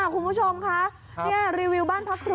กูไม่น่ารีวิวเลย